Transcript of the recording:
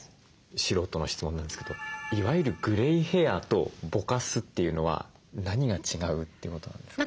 素人の質問なんですけどいわゆるグレイヘアとぼかすっていうのは何が違うってことなんですか？